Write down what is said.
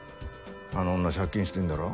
あの女借金してんだろ。